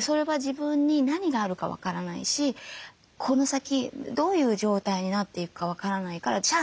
それは自分に何があるか分からないしこの先どういう状態になっていくか分からないからじゃあ